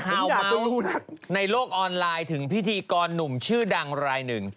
มีข่าวเม้านั้นในโลกออนไลน์นะถึงพี่ฐีกรหนุ่มชื่อดังรายหนึ่ง